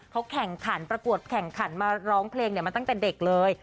เขาแข่งขันประกวดแข่งขันมาร้องเพลงมาตั้งแต่เด็กเลย